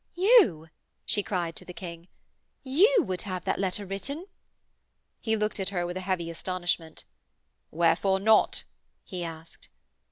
'You!' she cried to the King. 'You would have that letter written?' He looked at her with a heavy astonishment. 'Wherefore not?' he asked.